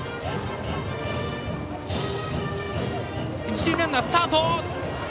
一塁ランナー、スタート！